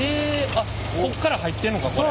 あっこっから入ってんのかこれ。